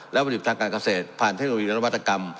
และผลิตทางการเกษตรผ่านเทคโนโลยีและนวัตกรรม